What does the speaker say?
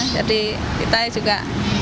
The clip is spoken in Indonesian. jadi kita juga